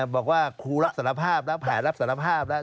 บอกว่าครูรับสารภาพแล้วแผลรับสารภาพแล้ว